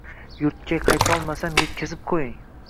Yurtga qaytolmasam etkazib quying